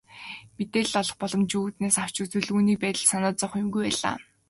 Мэдээлэл олох боломжийн үүднээс авч үзвэл түүний байдалд санаа зовох юмгүй байлаа.